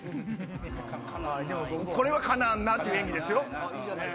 これは「かなわんな」って演技ですよ。